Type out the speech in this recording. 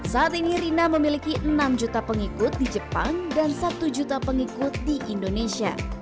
saat ini rina memiliki enam juta pengikut di jepang dan satu juta pengikut di indonesia